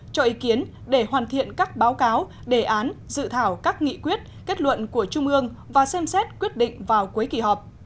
cho ý kiến để hoàn thiện các báo cáo đề án dự thảo các nghị quyết kết luận của trung ương và xem xét quyết định vào cuối kỳ họp